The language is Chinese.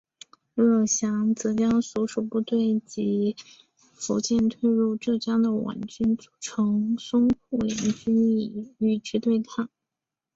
卢永祥则将其所属部队及从福建退入浙江的皖军组成淞沪联军与之对抗。